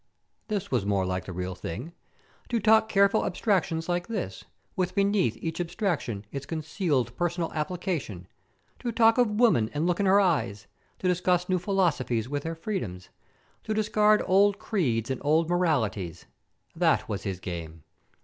This was more like the real thing. To talk careful abstractions like this, with beneath each abstraction its concealed personal application, to talk of woman and look in her eyes, to discuss new philosophies with their freedoms, to discard old creeds and old moralities that was his game.